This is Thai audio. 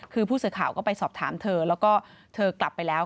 คือผู้สื่อข่าวก็ไปสอบถามเธอแล้วก็เธอกลับไปแล้ว